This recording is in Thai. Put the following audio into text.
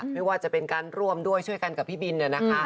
ไม่ว่าจะเป็นการร่วมด้วยช่วยกันกับพี่บิน